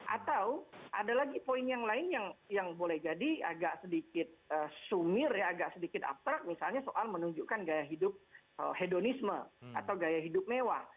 atau ada lagi poin yang lain yang boleh jadi agak sedikit sumir ya agak sedikit abtrak misalnya soal menunjukkan gaya hidup hedonisme atau gaya hidup mewah